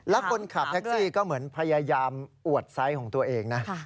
แล้วคนขับแท็กซี่ก็เหมือนพยายามอวดไซส์ของตัวเองนะ